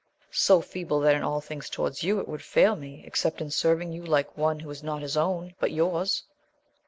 — So feeble, that in all things towards you it would fail me, except in serving you like one who is not his own, but yours.